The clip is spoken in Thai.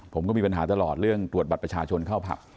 ผมก็มีปัญหาตลอดเรื่องตรวจบัตรประชาชนเข้าผับ